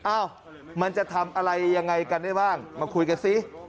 อ้าวมันจะทำอะไรยังไงกันได้บ้างมาคุยกันซิ